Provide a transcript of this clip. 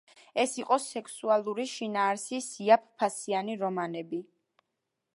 ეს იყო სექსუალური შინაარსის იაფფასიანი რომანები.